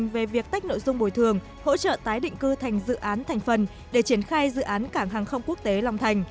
về việc tách nội dung bồi thường hỗ trợ tái định cư thành dự án thành phần để triển khai dự án cảng hàng không quốc tế long thành